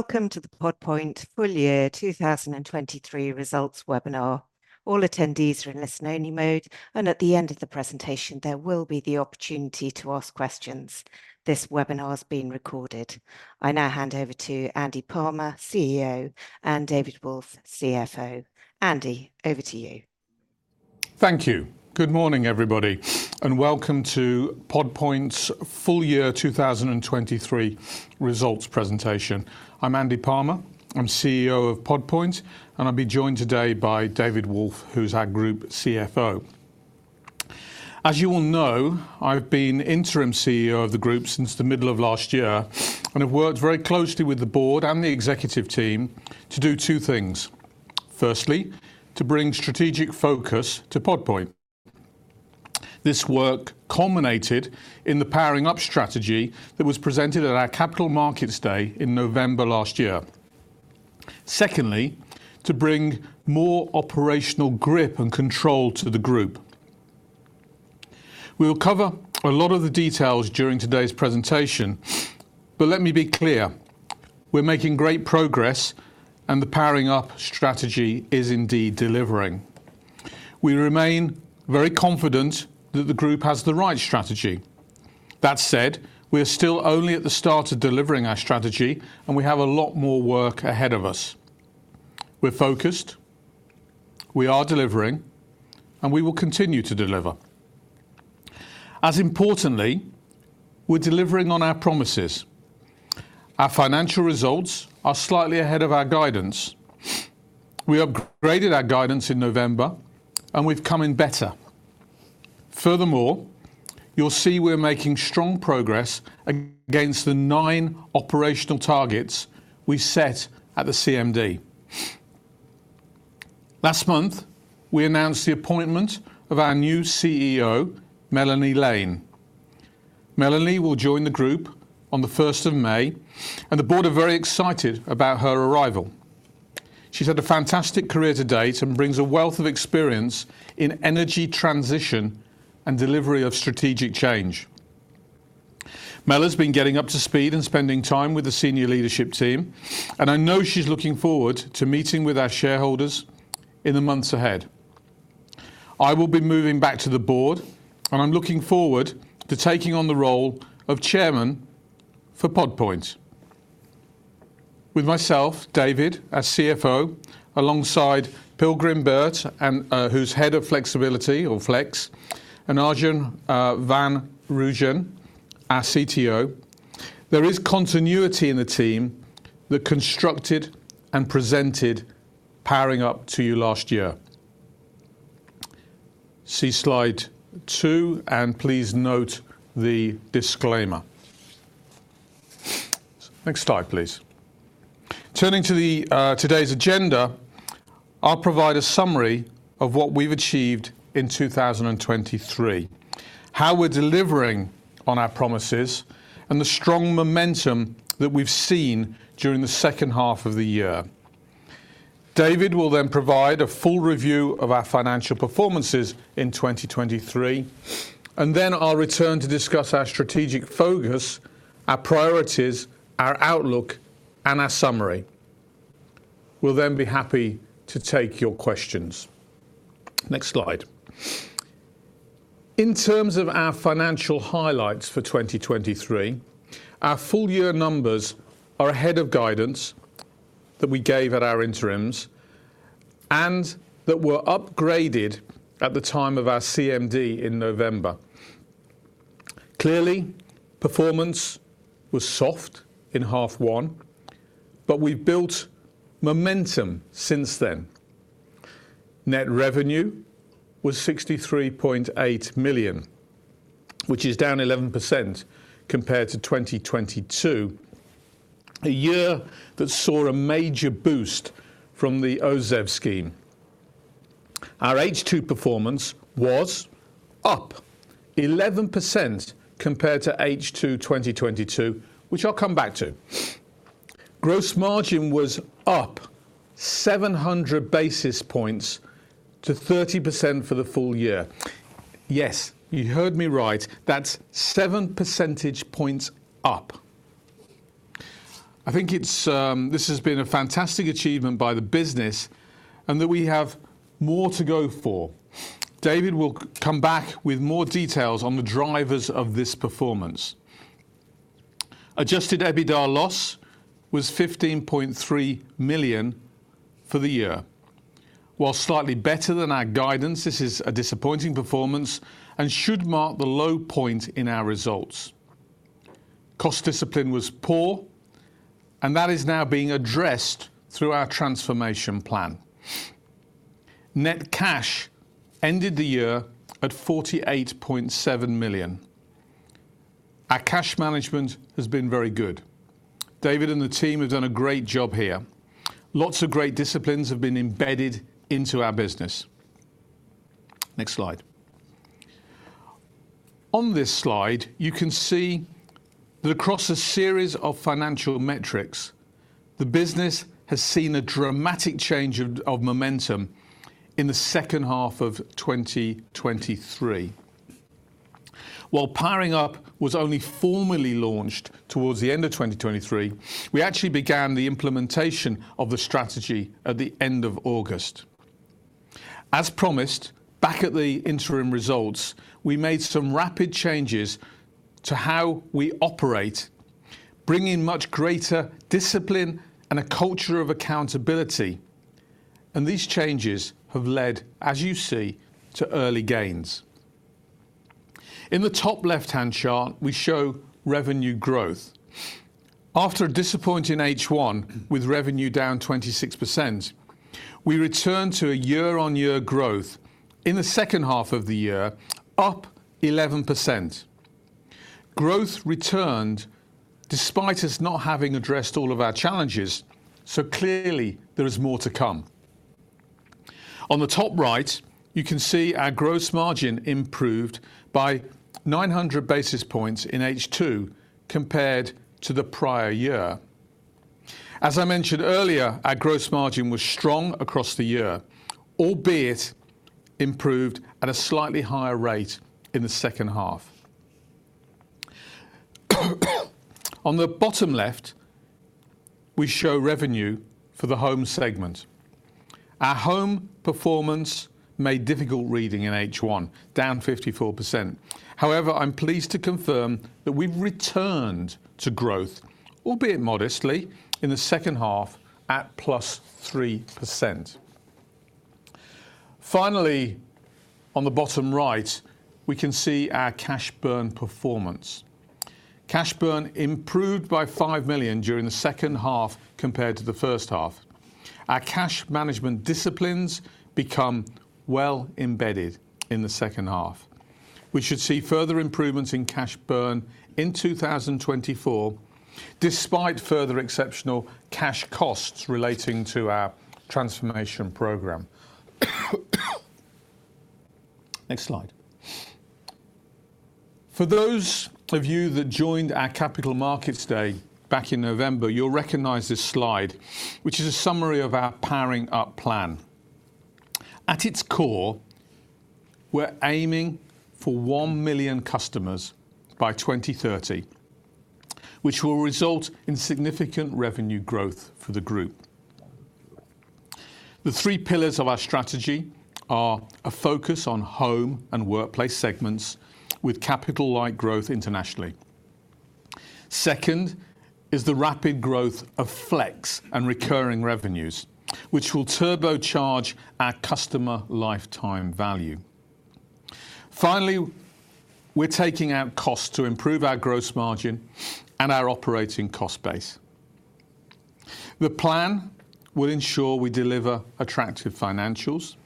Welcome to the Pod Point full-year 2023 results webinar. All attendees are in listen-only mode, and at the end of the presentation there will be the opportunity to ask questions. This webinar is being recorded. I now hand over to Andy Palmer, CEO, and David Wolffe, CFO. Andy, over to you. Thank you. Good morning, everybody, and welcome to Pod Point's full-year 2023 Results presentation. I'm Andy Palmer, I'm CEO of Pod Point, and I'll be joined today by David Wolffe, who's our Group CFO. As you all know, I've been interim CEO of the group since the middle of last year, and have worked very closely with the board and the executive team to do two things: firstly, to bring strategic focus to Pod Point. This work culminated in the Powering Up strategy that was presented at our Capital Markets Day in November last year. Secondly, to bring more operational grip and control to the group. We will cover a lot of the details during today's presentation, but let me be clear: we're making great progress, and the Powering Up strategy is indeed delivering. We remain very confident that the group has the right strategy. That said, we are still only at the start of delivering our strategy, and we have a lot more work ahead of us. We're focused. We are delivering. We will continue to deliver. As importantly, we're delivering on our promises. Our financial results are slightly ahead of our guidance. We upgraded our guidance in November, and we've come in better. Furthermore, you'll see we're making strong progress against the nine operational targets we set at the CMD. Last month we announced the appointment of our new CEO, Melanie Lane. Melanie will join the group on 1st May, and the board are very excited about her arrival. She's had a fantastic career to date and brings a wealth of experience in energy transition and delivery of strategic change. Mel's been getting up to speed and spending time with the senior leadership team, and I know she's looking forward to meeting with our shareholders in the months ahead. I will be moving back to the board, and I'm looking forward to taking on the role of Chairman for Pod Point. With myself, David, as CFO, alongside Pilgrim Beart, who's Head of Flexibility or Flex, and Arjan van Rooijen, our CTO, there is continuity in the team that constructed and presented Powering Up to you last year. See Slide 2, and please note the disclaimer. Turning to today's agenda, I'll provide a summary of what we've achieved in 2023, how we're delivering on our promises, and the strong momentum that we've seen during the second half of the year. David will then provide a full review of our financial performances in 2023, and then I'll return to discuss our strategic focus, our priorities, our outlook, and our summary. We'll then be happy to take your questions. In terms of our financial highlights for 2023, our full-year numbers are ahead of guidance that we gave at our interims and that were upgraded at the time of our CMD in November. Clearly, performance was soft in half one, but we've built momentum since then. Net revenue was 63.8 million, which is down 11% compared to 2022, a year that saw a major boost from the OZEV scheme. Our H2 performance was up 11% compared to H2 2022, which I'll come back to. Gross margin was up 700 basis points to 30% for the full year. Yes, you heard me right. That's seven percentage points up. I think this has been a fantastic achievement by the business and that we have more to go for. David will come back with more details on the drivers of this performance. Adjusted EBITDA loss was 15.3 million for the year. While slightly better than our guidance, this is a disappointing performance and should mark the low point in our results. Cost discipline was poor, and that is now being addressed through our transformation plan. Net cash ended the year at 48.7 million. Our cash management has been very good. David and the team have done a great job here. Lots of great disciplines have been embedded into our business. On this slide, you can see that across a series of financial metrics, the business has seen a dramatic change of momentum in the second half of 2023. While Powering Up was only formally launched towards the end of 2023, we actually began the implementation of the strategy at the end of August. As promised, back at the interim results, we made some rapid changes to how we operate, bringing much greater discipline and a culture of accountability. These changes have led, as you see, to early gains. In the top left-hand chart, we show revenue growth. After a disappointing H1 with revenue down 26%, we returned to a year-on-year growth in the second half of the year up 11%. Growth returned despite us not having addressed all of our challenges, so clearly there is more to come. On the top right, you can see our gross margin improved by 900 basis points in H2 compared to the prior year. As I mentioned earlier, our gross margin was strong across the year, albeit improved at a slightly higher rate in the second half. On the bottom left, we show revenue for the Home segment. Our Home performance made difficult reading in H1, down 54%. However, I'm pleased to confirm that we've returned to growth, albeit modestly, in the second half at +3%. Finally, on the bottom right, we can see our cash burn performance. Cash burn improved by 5 million during the second half compared to the first half. Our cash management disciplines become well embedded in the second half. We should see further improvements in cash burn in 2024 despite further exceptional cash costs relating to our transformation program. For those of you that joined our Capital Markets Day back in November, you'll recognize this slide, which is a summary of our Powering Up plan. At its core, we're aiming for 1 million customers by 2030, which will result in significant revenue growth for the group. The three pillars of our strategy are a focus on Home and Workplace segments with capital-light growth internationally. Second is the rapid growth of Flex and recurring revenues, which will turbocharge our customer lifetime value. Finally, we're taking out costs to improve our gross margin and our operating cost base. The plan will ensure we deliver attractive financials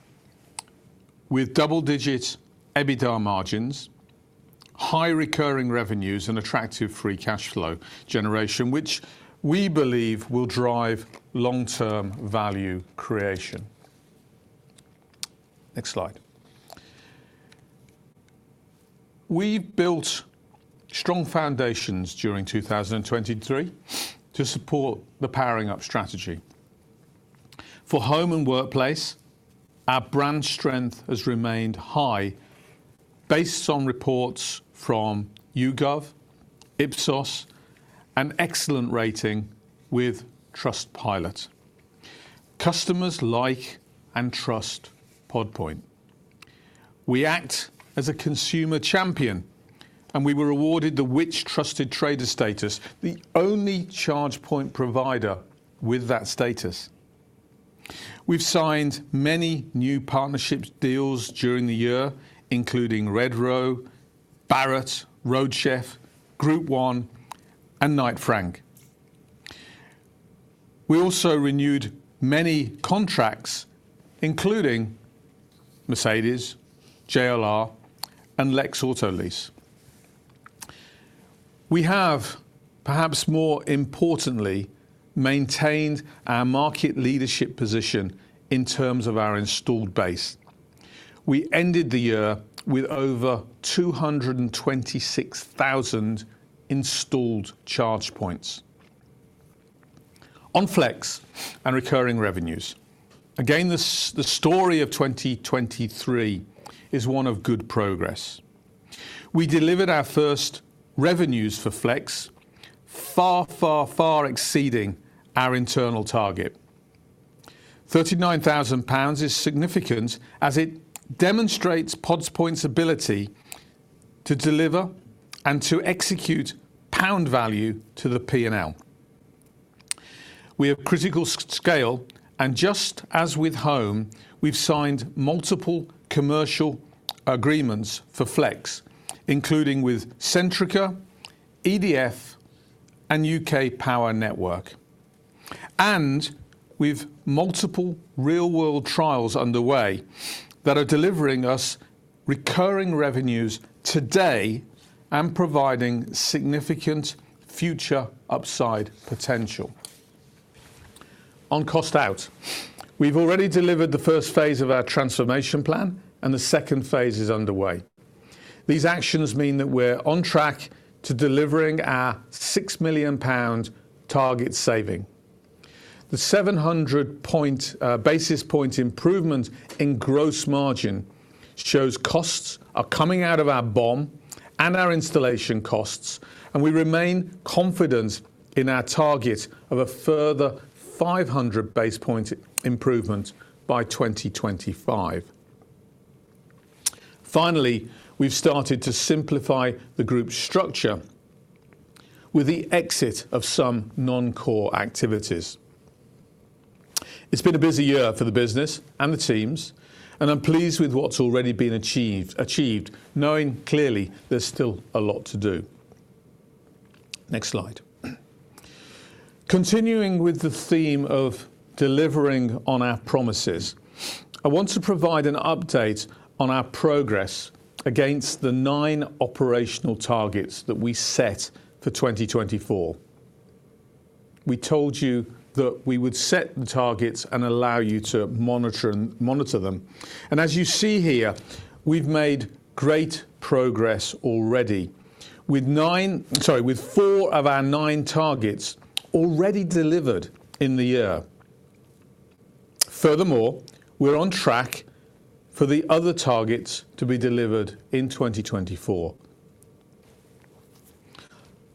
with double-digit EBITDA margins, high recurring revenues, and attractive free cash flow generation, which we believe will drive long-term value creation. Next Slide. We've built strong foundations during 2023 to support the Powering Up strategy. For Home and Workplace, our brand strength has remained high based on reports from YouGov, Ipsos, and excellent rating with Trustpilot. Customers like and trust Pod Point. We act as a consumer champion, and we were awarded the Which? Trusted Trader status, the only charge point provider with that status. We've signed many new partnership deals during the year, including Redrow, Barratt, Roadchef, Group 1, and Knight Frank. We also renewed many contracts, including Mercedes-Benz, JLR, and Lex Autolease. We have, perhaps more importantly, maintained our market leadership position in terms of our installed base. We ended the year with over 226,000 installed charge points. On Flex and recurring revenues, again, the story of 2023 is one of good progress. We delivered our first revenues for Flex, far, far, far exceeding our internal target. 39,000 pounds is significant as it demonstrates Pod Point's ability to deliver and to execute pound value to the P&L. We have critical scale, and just as with Home, we've signed multiple commercial agreements for Flex, including with Centrica, EDF, and UK Power Networks. And we have multiple real-world trials underway that are delivering us recurring revenues today and providing significant future upside potential. On cost out, we've already delivered the first phase of our transformation plan, and the second phase is underway. These actions mean that we're on track to delivering our 6 million pound target saving. The 700 basis point improvement in gross margin shows costs are coming out of our BOM and our installation costs, and we remain confident in our target of a further 500 basis point improvement by 2025. Finally, we've started to simplify the group's structure with the exit of some non-core activities. It's been a busy year for the business and the teams, and I'm pleased with what's already been achieved, knowing clearly there's still a lot to do. Next slide. Continuing with the theme of delivering on our promises, I want to provide an update on our progress against the nine operational targets that we set for 2024. We told you that we would set the targets and allow you to monitor them. As you see here, we've made great progress already with four of our nine targets already delivered in the year. Furthermore, we're on track for the other targets to be delivered in 2024.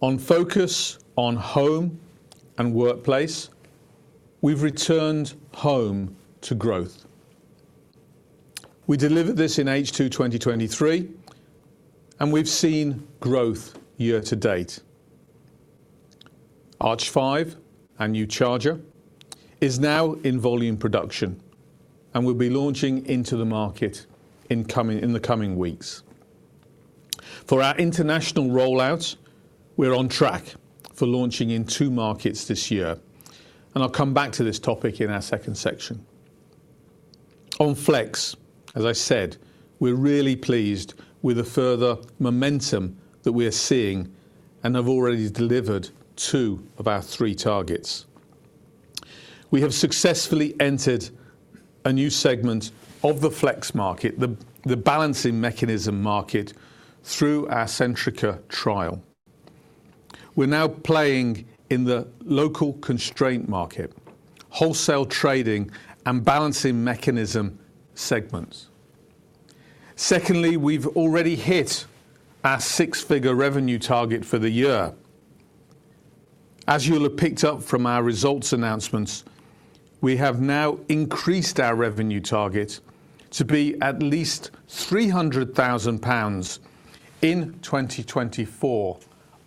On focus on Home and Workplace, we've returned Home to growth. We delivered this in H2 2023, and we've seen growth year-to-date. Arch 5, our new charger, is now in volume production and will be launching into the market in the coming weeks. For our international rollouts, we're on track for launching in two markets this year, and I'll come back to this topic in our second section. On Flex, as I said, we're really pleased with the further momentum that we are seeing and have already delivered two of our three targets. We have successfully entered a new segment of the Flex market, the balancing mechanism market, through our Centrica trial. We're now playing in the local constraint market, wholesale trading, and balancing mechanism segments. Secondly, we've already hit our six-figure revenue target for the year. As you'll have picked up from our results announcements, we have now increased our revenue target to be at least 300,000 pounds in 2024,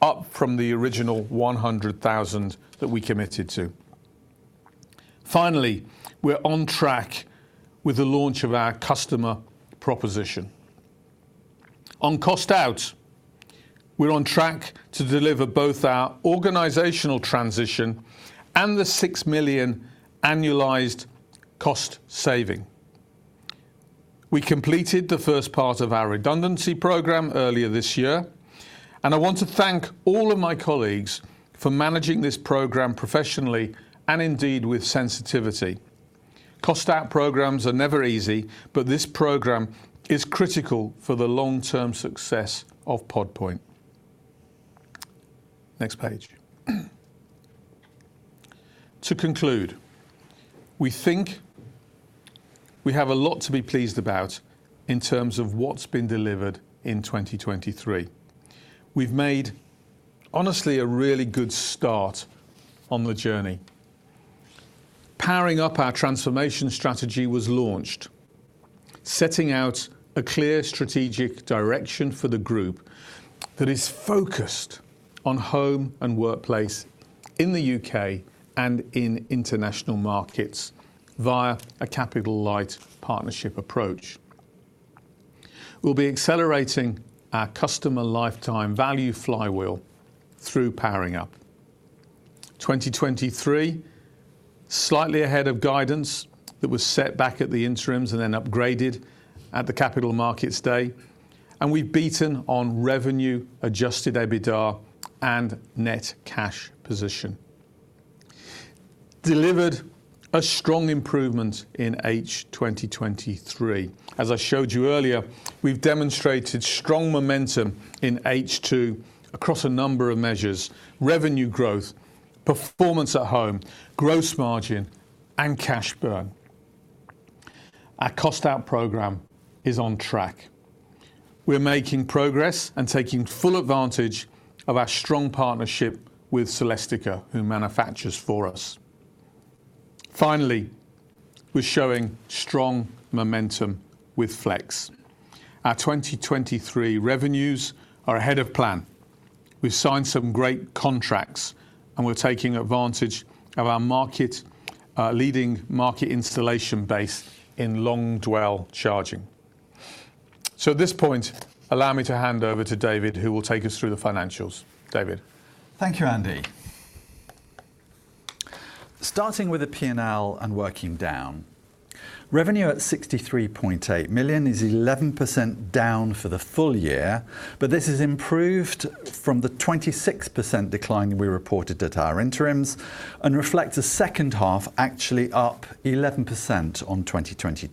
up from the original 100,000 that we committed to. Finally, we're on track with the launch of our customer proposition. On cost out, we're on track to deliver both our organizational transition and the 6 million annualised cost saving. We completed the first part of our redundancy program earlier this year, and I want to thank all of my colleagues for managing this program professionally and indeed with sensitivity. Cost out programs are never easy, but this program is critical for the long-term success of Pod Point. Next slide. To conclude, we think we have a lot to be pleased about in terms of what's been delivered in 2023. We've made honestly a really good start on the journey. Powering Up our transformation strategy was launched, setting out a clear strategic direction for the group that is focused on Home and Workplace in the U.K. and in International markets via a capital-light partnership approach. We'll be accelerating our customer lifetime value flywheel through Powering Up. 2023, slightly ahead of guidance that was set back at the interims and then upgraded at the Capital Markets Day, and we've beaten on revenue-adjusted EBITDA and net cash position. Delivered a strong improvement in H2 2023. As I showed you earlier, we've demonstrated strong momentum in H2 across a number of measures: revenue growth, performance at Home, gross margin, and cash burn. Our cost out program is on track. We're making progress and taking full advantage of our strong partnership with Celestica, who manufactures for us. Finally, we're showing strong momentum with Flex. Our 2023 revenues are ahead of plan. We've signed some great contracts, and we're taking advantage of our leading market installation base in long-dwell charging. So at this point, allow me to hand over to David, who will take us through the financials. David. Thank you, Andy. Starting with the P&L and working down, revenue at 63.8 million is 11% down for the full year, but this is improved from the 26% decline we reported at our interims and reflects a second half actually up 11% on 2022.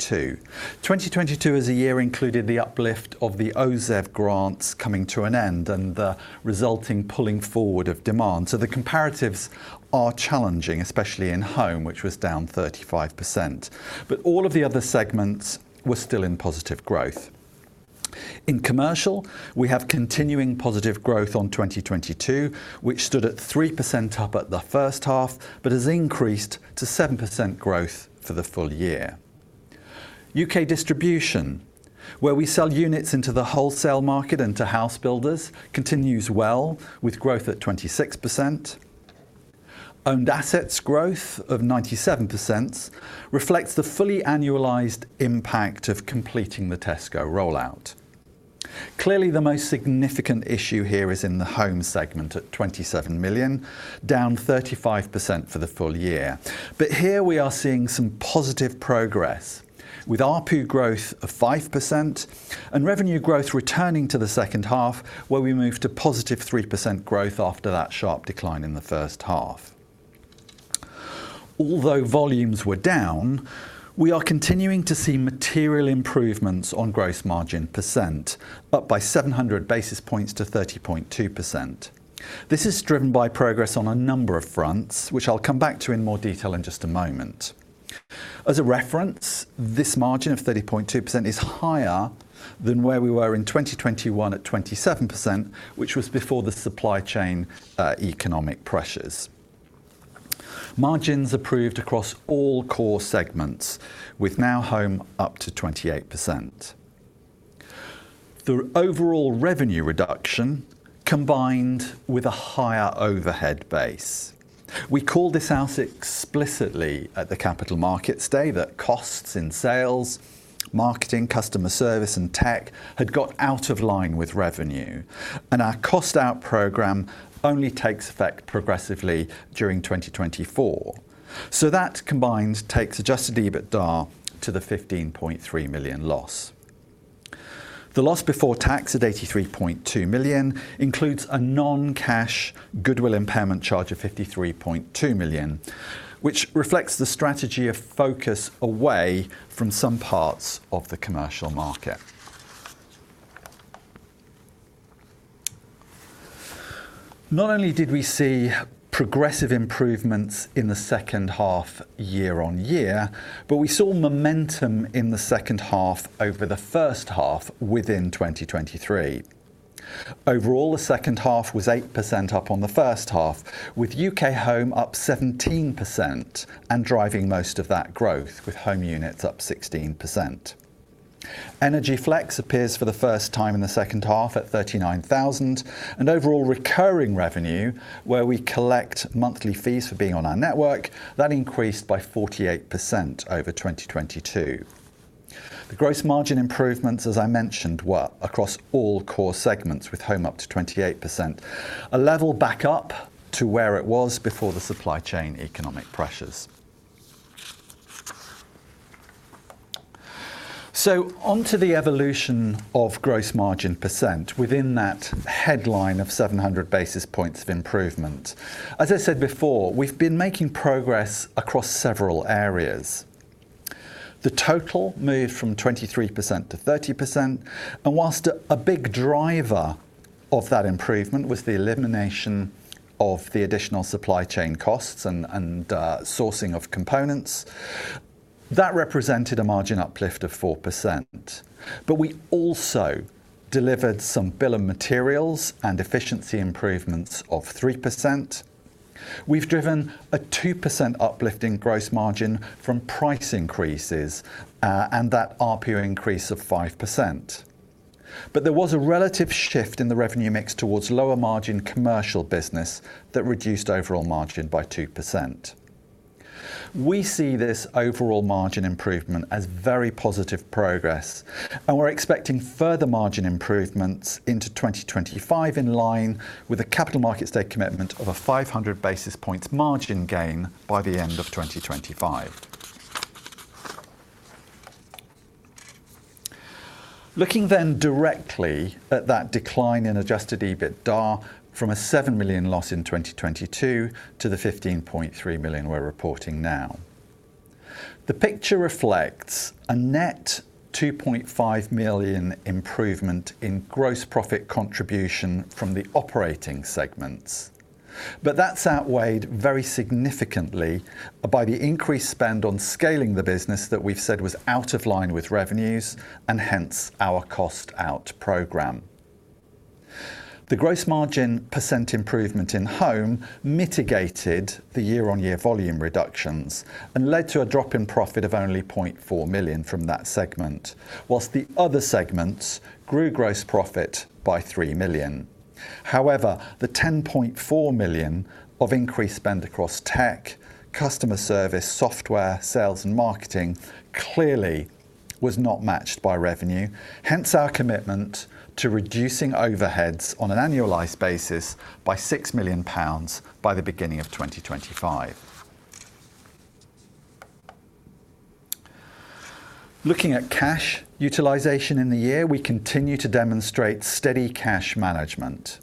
2022 as a year included the uplift of the OZEV grants coming to an end and the resulting pulling forward of demand. So the comparatives are challenging, especially in Home, which was down 35%, but all of the other segments were still in positive growth. In Commercial, we have continuing positive growth on 2022, which stood at 3% up at the first half but has increased to 7% growth for the full-year. U.K. distribution, where we sell units into the wholesale market and to house builders, continues well with growth at 26%. Owned assets growth of 97% reflects the fully annualized impact of completing the Tesco rollout. Clearly, the most significant issue here is in the Home segment at 27 million, down 35% for the full-year. But here we are seeing some positive progress with RPU growth of 5% and revenue growth returning to the second half, where we move to positive 3% growth after that sharp decline in the first half. Although volumes were down, we are continuing to see material improvements on gross margin percent, up by 700 basis points to 30.2%. This is driven by progress on a number of fronts, which I'll come back to in more detail in just a moment. As a reference, this margin of 30.2% is higher than where we were in 2021 at 27%, which was before the supply chain economic pressures. Margins improved across all core segments, with Home now up to 28%. The overall revenue reduction combined with a higher overhead base. We call this out explicitly at the Capital Markets Day that costs in sales, marketing, customer service, and tech had got out of line with revenue, and our cost out programme only takes effect progressively during 2024. So that combined takes adjusted EBITDA to the 15.3 million loss. The loss before tax at 83.2 million includes a non-cash goodwill impairment charge of 53.2 million, which reflects the strategy of focus away from some parts of the commercial market. Not only did we see progressive improvements in the second half year-on-year, but we saw momentum in the second half over the first half within 2023. Overall, the second half was 8% up on the first half, with U.K. Home up 17% and driving most of that growth, with Home units up 16%. Energy Flex appears for the first time in the second half at 39,000, and overall recurring revenue, where we collect monthly fees for being on our network, that increased by 48% over 2022. The gross margin improvements, as I mentioned, were across all core segments, with Home up to 28%, a level back up to where it was before the supply chain economic pressures. So onto the evolution of gross margin percent within that headline of 700 basis points of improvement. As I said before, we've been making progress across several areas. The total moved from 23%-30%, and while a big driver of that improvement was the elimination of the additional supply chain costs and sourcing of components, that represented a margin uplift of 4%. But we also delivered some bill of materials and efficiency improvements of 3%. We've driven a 2% uplift in gross margin from price increases and that RPU increase of 5%. But there was a relative shift in the revenue mix towards lower margin commercial business that reduced overall margin by 2%. We see this overall margin improvement as very positive progress, and we're expecting further margin improvements into 2025 in line with the Capital Markets Day commitment of a 500 basis points margin gain by the end of 2025. Looking then directly at that decline in adjusted EBITDA from a 7 million loss in 2022 to the 15.3 million we're reporting now, the picture reflects a net 2.5 million improvement in gross profit contribution from the operating segments. But that's outweighed very significantly by the increased spend on scaling the business that we've said was out of line with revenues and hence our cost out programme. The gross margin percent improvement in Home mitigated the year-on-year volume reductions and led to a drop in profit of only 0.4 million from that segment, while the other segments grew gross profit by 3 million. However, the 10.4 million of increased spend across tech, customer service, software, sales, and marketing clearly was not matched by revenue, hence our commitment to reducing overheads on an annualized basis by 6 million pounds by the beginning of 2025. Looking at cash utilization in the year, we continue to demonstrate steady cash management.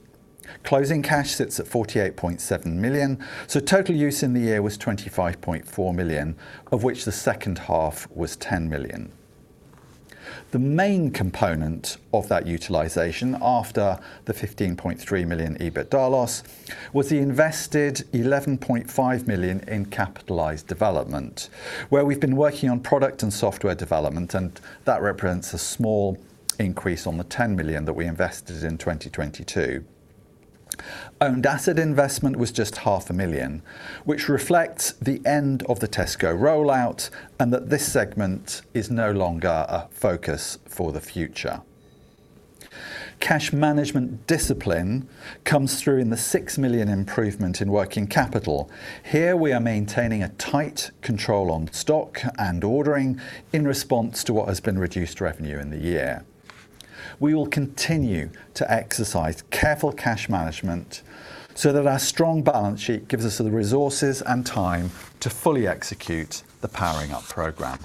Closing cash sits at 48.7 million, so total use in the year was 25.4 million, of which the second half was 10 million. The main component of that utilization after the 15.3 million EBITDA loss was the invested 11.5 million in capitalized development, where we've been working on product and software development, and that represents a small increase on the 10 million that we invested in 2022. Owned asset investment was just 500,000, which reflects the end of the Tesco rollout and that this segment is no longer a focus for the future. Cash management discipline comes through in the 6 million improvement in working capital. Here we are maintaining a tight control on stock and ordering in response to what has been reduced revenue in the year. We will continue to exercise careful cash management so that our strong balance sheet gives us the resources and time to fully execute the Powering Up program.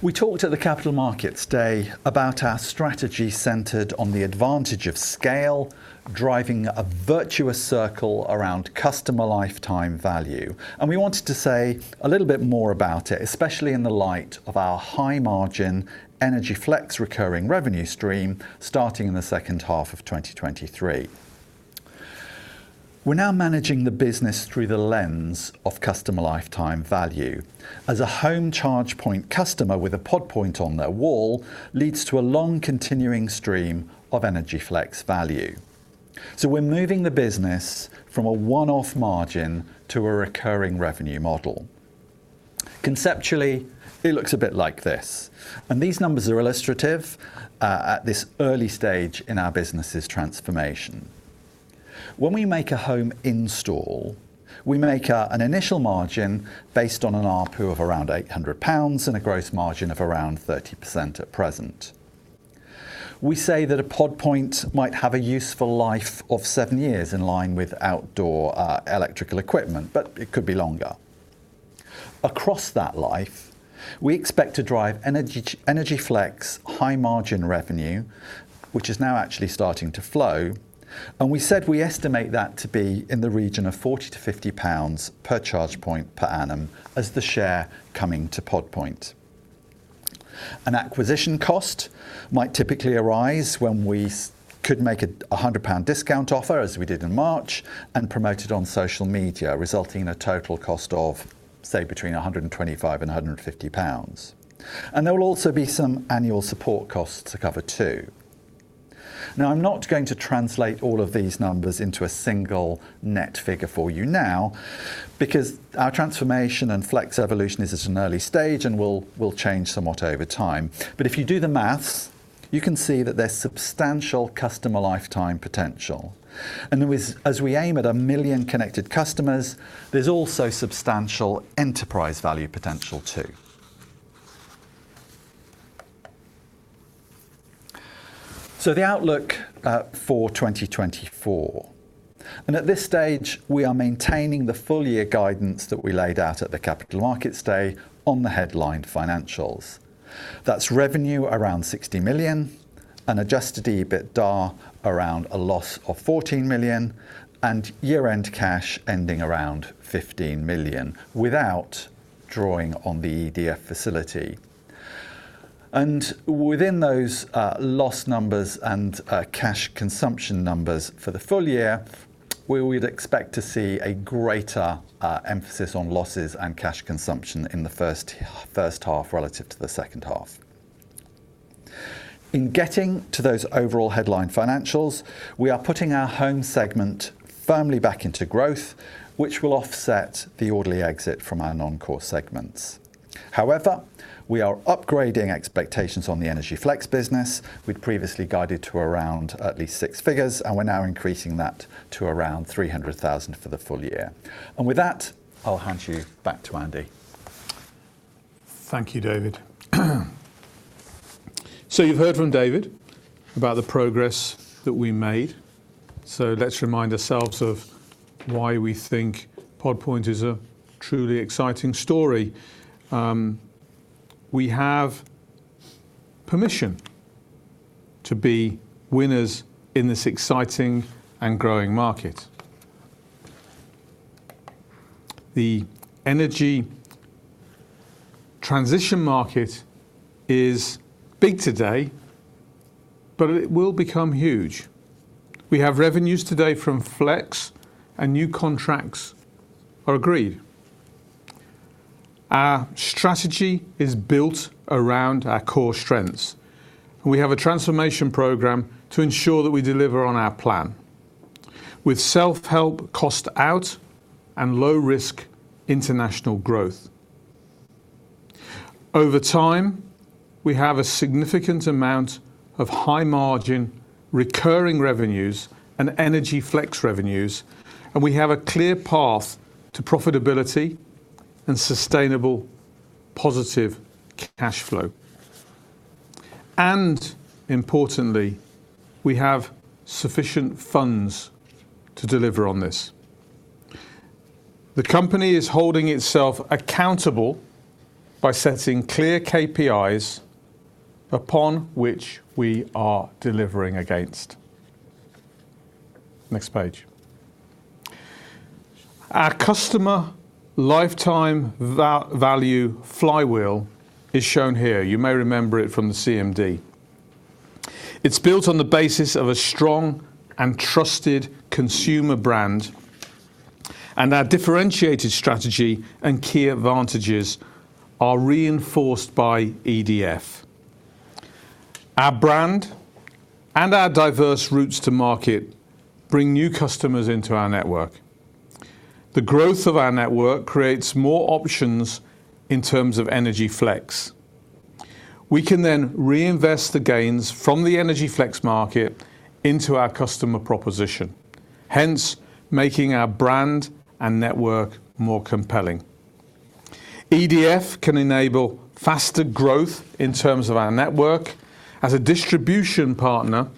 We talked at the Capital Markets Day about our strategy centered on the advantage of scale, driving a virtuous circle around customer lifetime value, and we wanted to say a little bit more about it, especially in the light of our high margin Energy Flex recurring revenue stream starting in the second half of 2023. We're now managing the business through the lens of customer lifetime value. As a home charge point customer with a Pod Point on their wall leads to a long continuing stream of Energy Flex value. So we're moving the business from a one-off margin to a recurring revenue model. Conceptually, it looks a bit like this, and these numbers are illustrative at this early stage in our business's transformation. When we make a home install, we make an initial margin based on an RPU of around 800 pounds and a gross margin of around 30% at present. We say that a Pod Point might have a useful life of seven years in line with outdoor electrical equipment, but it could be longer. Across that life, we expect to drive Energy Flex high margin revenue, which is now actually starting to flow, and we said we estimate that to be in the region of 40-50 pounds per charge point per annum as the share coming to Pod Point. An acquisition cost might typically arise when we could make a 100 pound discount offer, as we did in March, and promote it on social media, resulting in a total cost of, say, between 125 and 150 pounds. There will also be some annual support costs to cover too. Now, I'm not going to translate all of these numbers into a single net figure for you now because our transformation and Flex evolution is at an early stage and will change somewhat over time. But if you do the math, you can see that there's substantial customer lifetime potential. And as we aim at a million connected customers, there's also substantial enterprise value potential too. So the outlook for 2024. And at this stage, we are maintaining the full-year guidance that we laid out at the Capital Markets Day on the headline financials. That's revenue around 60 million, an adjusted EBITDA around a loss of 14 million, and year-end cash ending around 15 million without drawing on the EDF facility. And within those loss numbers and cash consumption numbers for the full year, we would expect to see a greater emphasis on losses and cash consumption in the first half relative to the second half. In getting to those overall headline financials, we are putting our Home segment firmly back into growth, which will offset the orderly exit from our non-core segments. However, we are upgrading expectations on the Energy Flex business. We'd previously guided to around at least six figures, and we're now increasing that to around 300,000 for the full year. And with that, I'll hand you back to Andy. Thank you, David. So you've heard from David about the progress that we made. So let's remind ourselves of why we think Pod Point is a truly exciting story. We have permission to be winners in this exciting and growing market. The energy transition market is big today, but it will become huge. We have revenues today from Flex, and new contracts are agreed. Our strategy is built around our core strengths. We have a transformation program to ensure that we deliver on our plan with self-help cost out and low-risk international growth. Over time, we have a significant amount of high margin recurring revenues and Energy Flex revenues, and we have a clear path to profitability and sustainable positive cash flow. Importantly, we have sufficient funds to deliver on this. The company is holding itself accountable by setting clear KPIs upon which we are delivering against. Next page. Our customer lifetime value flywheel is shown here. You may remember it from the CMD. It's built on the basis of a strong and trusted consumer brand, and our differentiated strategy and key advantages are reinforced by EDF. Our brand and our diverse routes to market bring new customers into our network. The growth of our network creates more options in terms of Energy Flex. We can then reinvest the gains from the Energy Flex market into our customer proposition, hence making our brand and network more compelling. EDF can enable faster growth in terms of our network as a distribution partner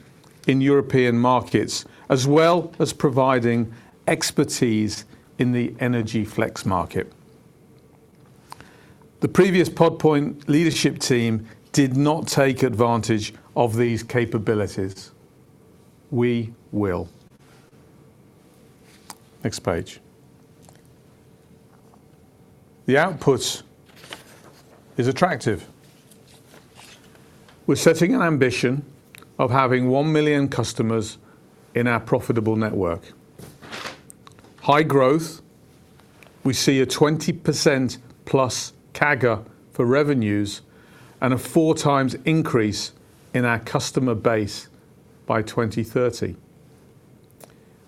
in European markets, as well as providing expertise in the Energy Flex market. The previous Pod Point leadership team did not take advantage of these capabilities. We will. Next page. The output is attractive. We're setting an ambition of having 1 million customers in our profitable network. High growth. We see a 20%+ CAGR for revenues and a 4x increase in our customer base by 2030.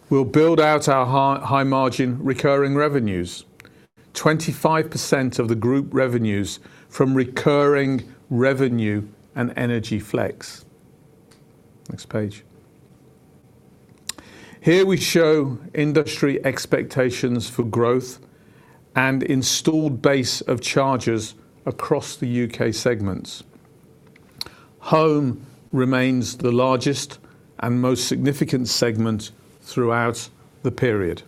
We'll build out our high margin recurring revenues, 25% of the group revenues from recurring revenue and Energy Flex. Next page. Here we show industry expectations for growth and installed base of chargers across the U.K. segments. Home remains the largest and most significant segment throughout the period.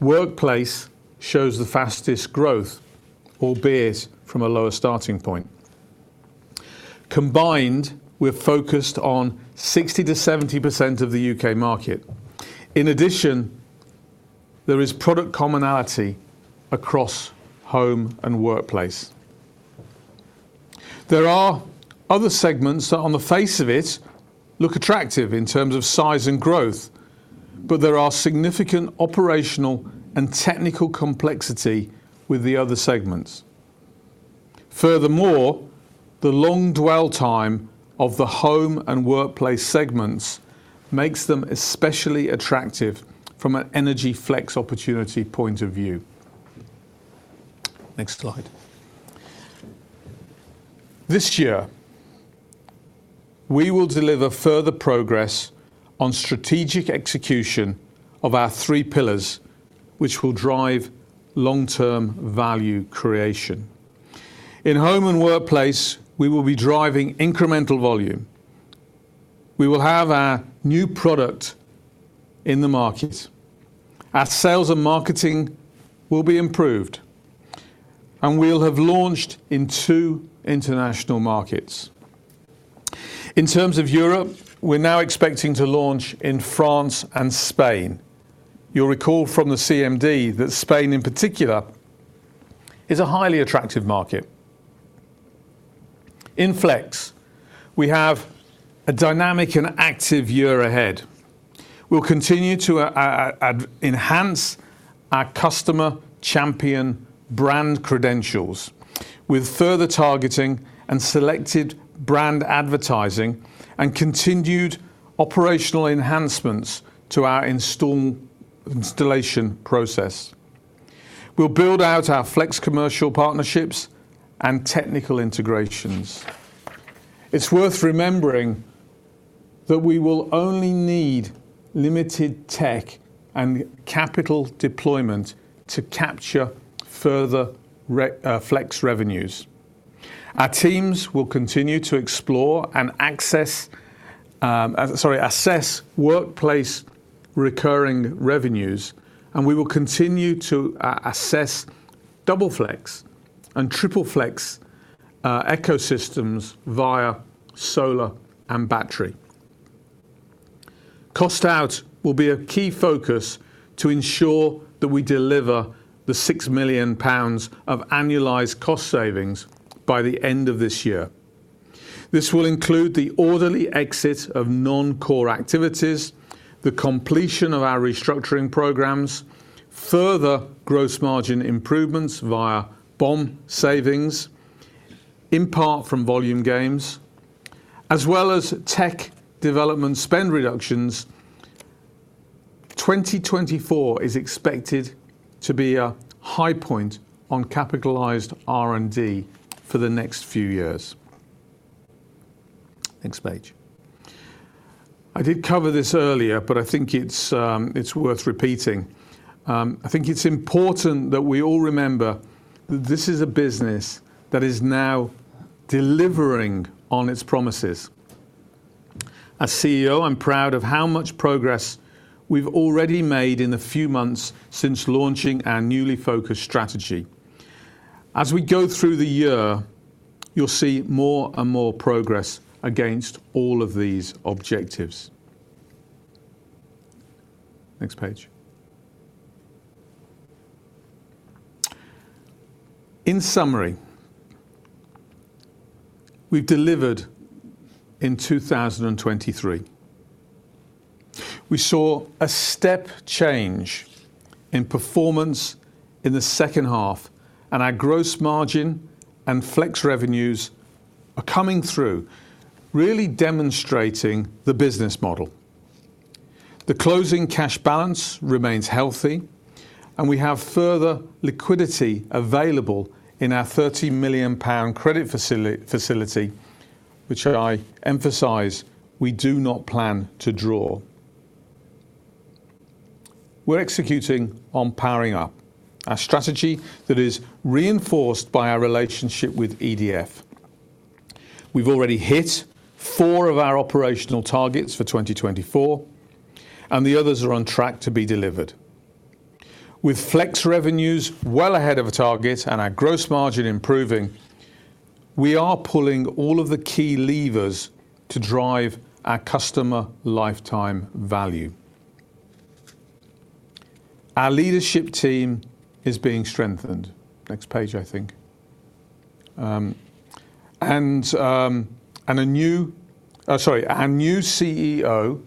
Workplace shows the fastest growth, albeit from a lower starting point. Combined, we're focused on 60%-70% of the U.K. market. In addition, there is product commonality across Home and Workplace. There are other segments that, on the face of it, look attractive in terms of size and growth, but there are significant operational and technical complexities with the other segments. Furthermore, the long dwell time of the Home and Workplace segments makes them especially attractive from an Energy Flex opportunity point of view. Next slide. This year, we will deliver further progress on strategic execution of our three pillars, which will drive long-term value creation. In Home and Workplace, we will be driving incremental volume. We will have our new product in the market. Our sales and marketing will be improved, and we'll have launched in two international markets. In terms of Europe, we're now expecting to launch in France and Spain. You'll recall from the CMD that Spain, in particular, is a highly attractive market. In Flex, we have a dynamic and active year ahead. We'll continue to enhance our customer champion brand credentials with further targeting and selected brand advertising and continued operational enhancements to our installation process. We'll build out our Flex commercial partnerships and technical integrations. It's worth remembering that we will only need limited tech and capital deployment to capture further Flex revenues. Our teams will continue to explore and assess workplace recurring revenues, and we will continue to assess double Flex and triple Flex ecosystems via solar and battery. Cost out will be a key focus to ensure that we deliver the 6 million pounds of annualized cost savings by the end of this year. This will include the orderly exit of non-core activities, the completion of our restructuring programs, further gross margin improvements via BOM savings, in part from volume gains, as well as tech development spend reductions. 2024 is expected to be a high point on capitalized R&D for the next few years. Next page. I did cover this earlier, but I think it's worth repeating. I think it's important that we all remember that this is a business that is now delivering on its promises. As CEO, I'm proud of how much progress we've already made in the few months since launching our newly focused strategy. As we go through the year, you'll see more and more progress against all of these objectives. Next page. In summary, we've delivered in 2023. We saw a step change in performance in the second half, and our gross margin and Flex revenues are coming through, really demonstrating the business model. The closing cash balance remains healthy, and we have further liquidity available in our 30 million pound credit facility, which I emphasize we do not plan to draw. We're executing on Powering Up, a strategy that is reinforced by our relationship with EDF. We've already hit four of our operational targets for 2024, and the others are on track to be delivered. With Flex revenues well ahead of a target and our gross margin improving, we are pulling all of the key levers to drive our customer lifetime value. Our leadership team is being strengthened. Next page, I think. A new CEO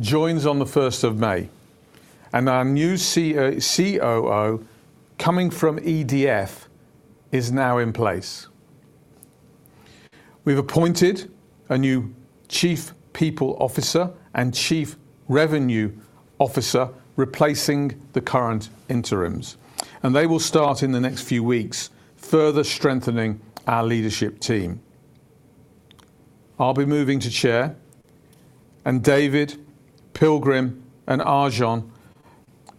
joins on the 1st of May, and our new COO coming from EDF is now in place. We've appointed a new Chief People Officer and Chief Revenue Officer replacing the current interims, and they will start in the next few weeks, further strengthening our leadership team. I'll be moving to Chair, and David, Pilgrim, and Arjan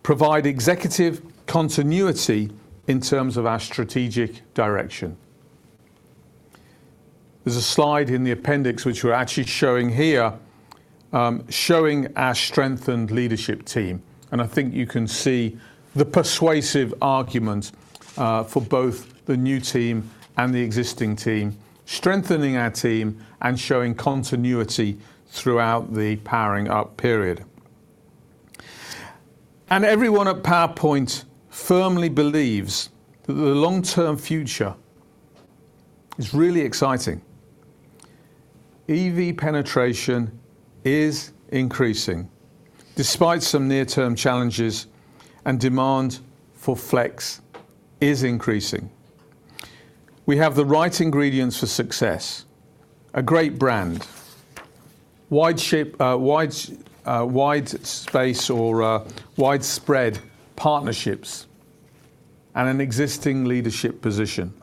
provide executive continuity in terms of our strategic direction. There's a slide in the appendix which we're actually showing here, showing our strengthened leadership team. I think you can see the persuasive argument for both the new team and the existing team, strengthening our team and showing continuity throughout the Powering Up period. Everyone at Pod Point firmly believes that the long-term future is really exciting. EV penetration is increasing despite some near-term challenges, and demand for Flex is increasing. We have the right ingredients for success, a great brand, wide-space or widespread partnerships, and an existing leadership position.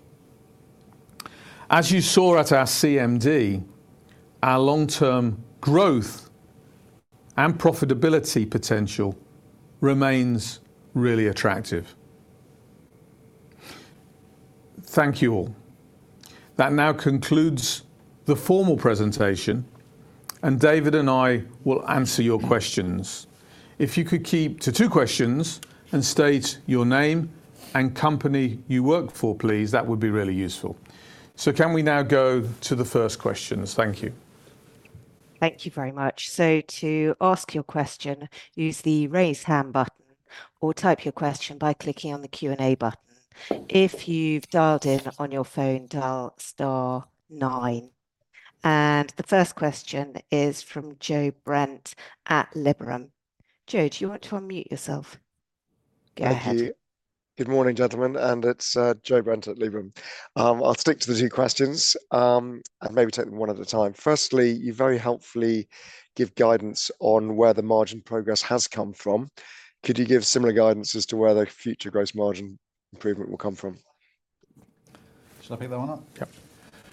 As you saw at our CMD, our long-term growth and profitability potential remains really attractive. Thank you all. That now concludes the formal presentation, and David and I will answer your questions. If you could keep to two questions and state your name and company you work for, please, that would be really useful. So can we now go to the first questions? Thank you. Thank you very much. To ask your question, use the raise hand button or type your question by clicking on the Q&A button. If you've dialed in on your phone, dial Star nine. The first question is from Joe Brent at Liberum. Joe, do you want to unmute yourself? Go ahead. Thank you. Good morning, gentlemen, and it's Joe Brent at Liberum. I'll stick to the two questions and maybe take them one at a time. Firstly, you very helpfully give guidance on where the margin progress has come from. Could you give similar guidance as to where the future gross margin improvement will come from? Shall I pick that one up? Yep.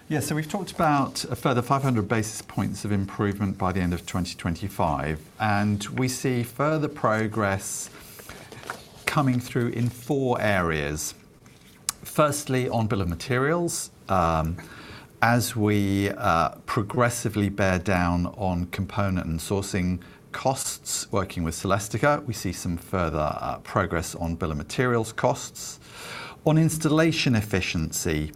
Yeah, so we've talked about a further 500 basis points of improvement by the end of 2025, and we see further progress coming through in four areas. Firstly, on bill of materials, as we progressively bear down on component and sourcing costs, working with Celestica, we see some further progress on bill of materials costs. On installation efficiency,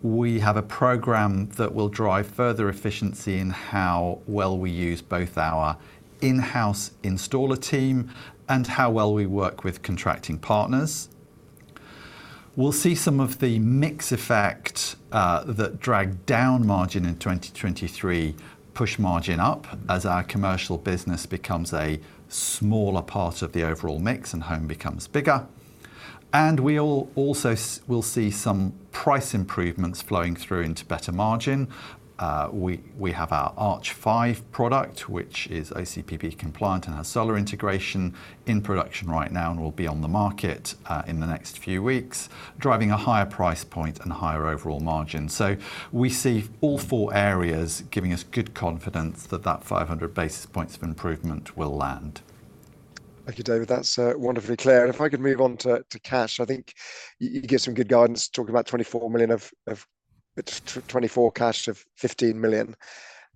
we have a program that will drive further efficiency in how well we use both our in-house installer team and how well we work with contracting partners. We'll see some of the mix effect that dragged down margin in 2023 push margin up as our Commercial business becomes a smaller part of the overall mix and Home becomes bigger. And we also will see some price improvements flowing through into better margin. We have our Arch 5 product, which is OCPP compliant and has solar integration in production right now and will be on the market in the next few weeks, driving a higher price point and higher overall margin. So we see all four areas giving us good confidence that that 500 basis points of improvement will land. Thank you, David. That's wonderfully clear. And if I could move on to cash, I think you gave some good guidance talking about 24 million of 2024 cash of 15 million.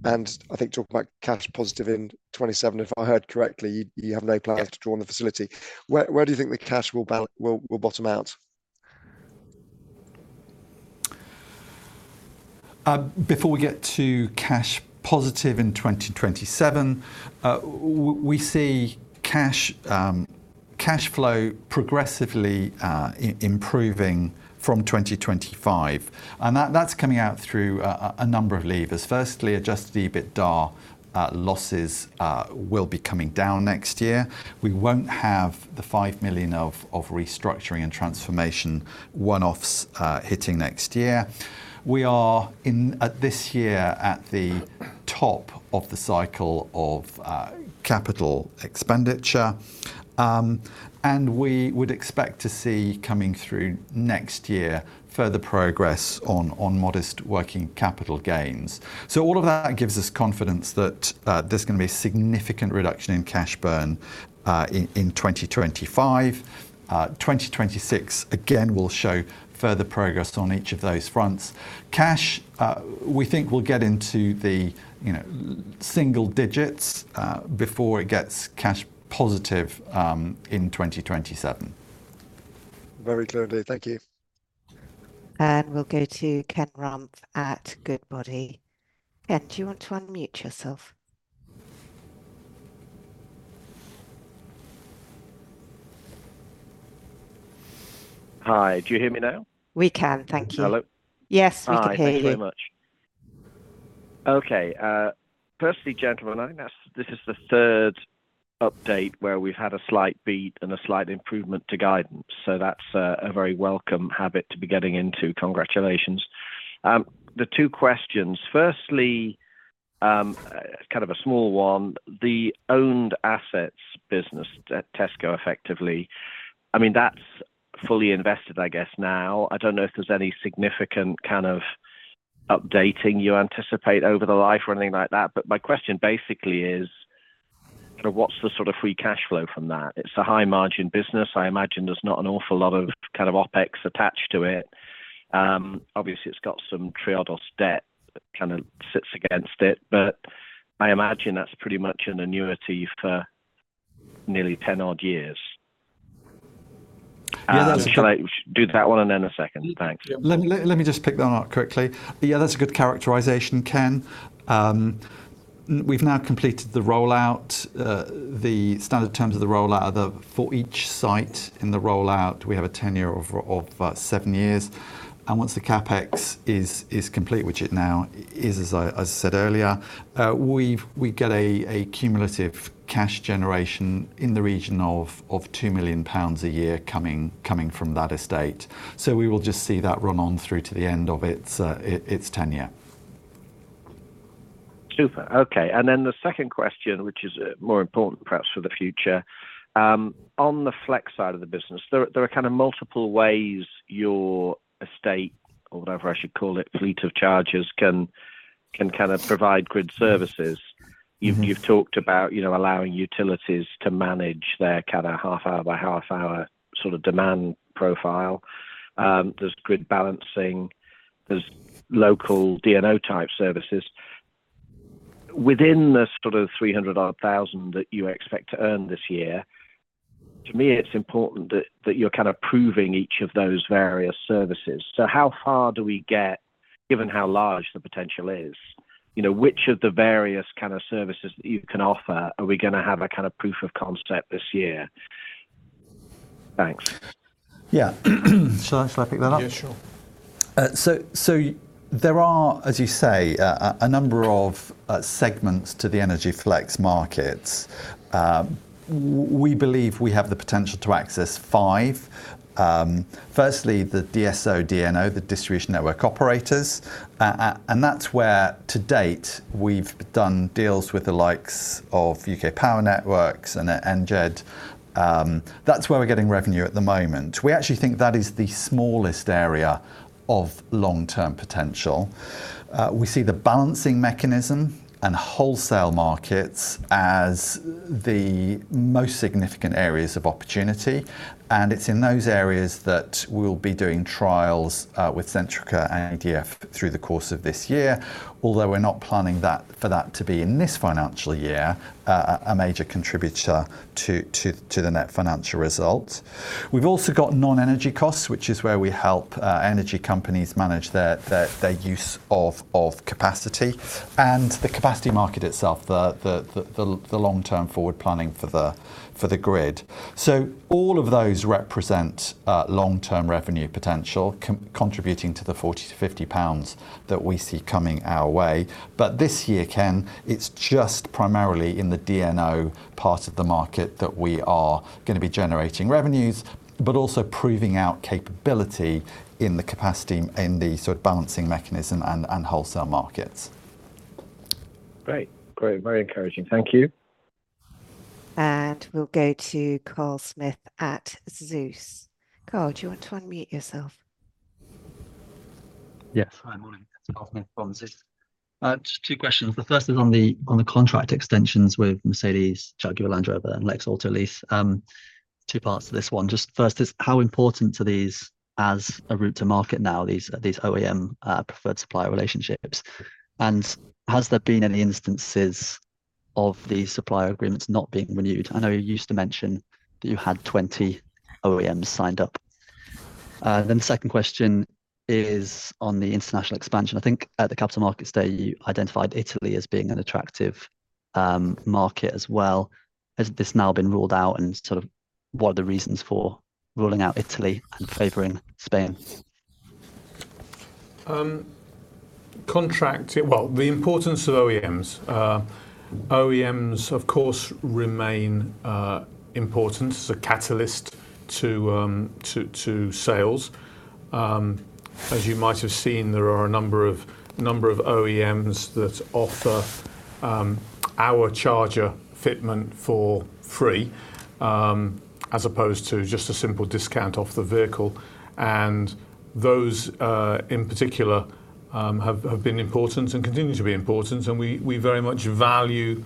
I think talking about cash positive in 2027, if I heard correctly, you have no plans to draw on the facility. Where do you think the cash will bottom out? Before we get to cash positive in 2027, we see cash flow progressively improving from 2025. And that's coming out through a number of levers. Firstly, adjusted EBITDA losses will be coming down next year. We won't have the 5 million of restructuring and transformation one-offs hitting next year. We are this year at the top of the cycle of capital expenditure, and we would expect to see coming through next year further progress on modest working capital gains. So all of that gives us confidence that there's going to be a significant reduction in cash burn in 2025. 2026, again, will show further progress on each of those fronts. Cash, we think we'll get into the single-digits before it gets cash positive in 2027. Very clearly. Thank you. We'll go to Ken Rumph at Goodbody. Ken, do you want to unmute yourself? Hi. Do you hear me now? We can. Thank you. Hello? Yes, we can hear you. Hi. Thank you very much. Okay. Firstly, gentlemen and ladies, this is the third update where we've had a slight beat and a slight improvement to guidance. So that's a very welcome habit to be getting into. Congratulations. The two questions. Firstly, kind of a small one, the owned assets business at Tesco, effectively, I mean, that's fully invested, I guess, now. I don't know if there's any significant kind of updating you anticipate over the life or anything like that. But my question basically is, kind of what's the sort of free cash flow from that? It's a high-margin business. I imagine there's not an awful lot of kind of OpEx attached to it. Obviously, it's got some Triodos debt that kind of sits against it. But I imagine that's pretty much an annuity for nearly 10-odd years. Yeah, that's a good do that one and then a second. Thanks. Let me just pick that one up quickly. Yeah, that's a good characterisation, Ken. We've now completed the rollout. The standard terms of the rollout are that for each site in the rollout, we have a tenure of seven years. Once the CapEx is complete, which it now is, as I said earlier, we get a cumulative cash generation in the region of 2 million pounds a year coming from that estate. So we will just see that run on through to the end of its tenure. Super. Okay. And then the second question, which is more important perhaps for the future, on the Flex side of the business, there are kind of multiple ways your estate, or whatever I should call it, fleet of chargers can kind of provide grid services. You've talked about allowing utilities to manage their kind of half-hour-by-half-hour sort of demand profile. There's grid balancing. There's local DNO-type services. Within the sort of 300,000 that you expect to earn this year, to me, it's important that you're kind of proving each of those various services. So how far do we get, given how large the potential is? Which of the various kind of services that you can offer, are we going to have a kind of proof of concept this year? Thanks. Yeah. Shall I pick that up? Yeah, sure. So there are, as you say, a number of segments to the Energy Flex markets. We believe we have the potential to access five. Firstly, the DSO/DNO, the distribution network operators. And that's where, to date, we've done deals with the likes of UK Power Networks and NGED. That's where we're getting revenue at the moment. We actually think that is the smallest area of long-term potential. We see the balancing mechanism and wholesale markets as the most significant areas of opportunity. And it's in those areas that we'll be doing trials with Centrica and EDF through the course of this year, although we're not planning for that to be in this financial year, a major contributor to the net financial result. We've also got non-energy costs, which is where we help energy companies manage their use of capacity, and the capacity market itself, the long-term forward planning for the grid. So all of those represent long-term revenue potential, contributing to the 40 million-50 million pounds that we see coming our way. But this year, Ken, it's just primarily in the DNO part of the market that we are going to be generating revenues, but also proving out capability in the capacity in the sort of balancing mechanism and wholesale markets. Great. Great. Very encouraging. Thank you. And we'll go to Carl Smith at Zeus. Carl, do you want to unmute yourself? Yes. Hi, morning. It's Carl Smith from Zeus. Just two questions. The first is on the contract extensions with Mercedes, Jaguar, Land Rover, and Lex Autolease. Two parts to this one. Just first is, how important are these as a route to market now, these OEM preferred supplier relationships? And has there been any instances of these supplier agreements not being renewed? I know you used to mention that you had 20 OEMs signed up. Then the second question is on the international expansion. I think at the Capital Markets Day, you identified Italy as being an attractive market as well. Has this now been ruled out? And sort of what are the reasons for ruling out Italy and favoring Spain? Contract. Well, the importance of OEMs. OEMs, of course, remain important as a catalyst to sales. As you might have seen, there are a number of OEMs that offer our charger fitment for free, as opposed to just a simple discount off the vehicle. And those, in particular, have been important and continue to be important. And we very much value